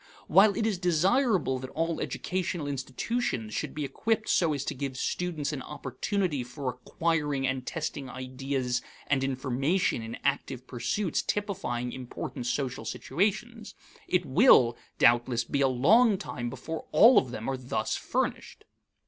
While it is desirable that all educational institutions should be equipped so as to give students an opportunity for acquiring and testing ideas and information in active pursuits typifying important social situations, it will, doubtless, be a long time before all of them are thus furnished.